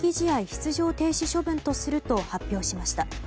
出場停止処分とすると発表しました。